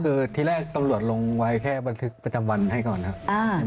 คือที่แรกตำรวจลงไว้แค่บันทึกประจำวันให้ก่อนครับ